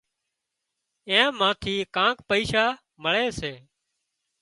اين مان ٿي ڪانڪ پئيشا مۯي سي